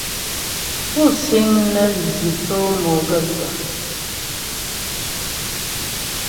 Pú síŋ nə́ zhʉ́ tsó mo gaə̂kə́ ?